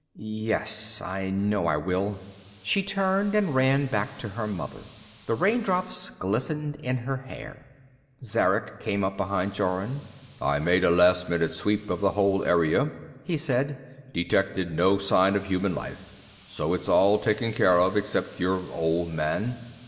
"Yes, I know I will." She turned and ran back to her mother. The raindrops glistened in her hair. Zarek came up behind Jorun. "I made a last minute sweep of the whole area," he said. "Detected no sign of human life. So it's all taken care of, except your old man."